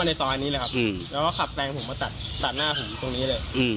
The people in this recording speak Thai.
ในซอยนี้เลยครับแล้วก็ขับแซงผมมาตัดหน้าผมตรงนี้เลย